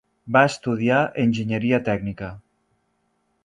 Va estudiar enginyeria tècnica.